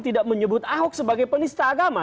tidak menyebut ahok sebagai penista agama